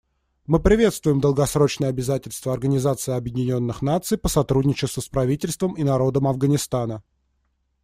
Мы приветствуем долгосрочные обязательства Организации Объединенных Наций по сотрудничеству с правительством и народом Афганистана.